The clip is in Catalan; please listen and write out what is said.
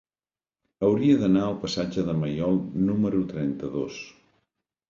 Hauria d'anar al passatge de Maiol número trenta-dos.